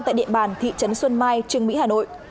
tại địa bàn thị trấn xuân mai trường mỹ hà nội